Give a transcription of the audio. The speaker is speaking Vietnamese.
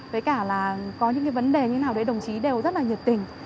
với cả là có những cái vấn đề như nào đấy đồng chí đều rất là nhiệt tình